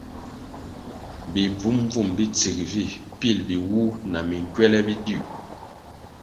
Bi bvum-bvum bi tsig vi pil biwuh na minkywele biduih.